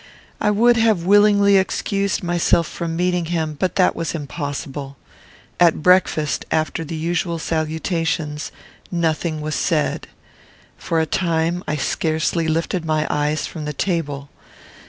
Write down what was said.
I would have willingly excused myself from meeting him; but that was impossible. At breakfast, after the usual salutations, nothing was said. For a time I scarcely lifted my eyes from the table.